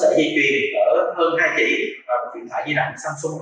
và một cái sợi dây chuyền ở hơn hai chỉ và một điện thoại di động samsung a ba mươi một